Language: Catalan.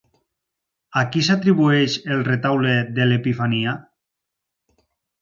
A qui s'atribueix El Retaule de l'Epifania?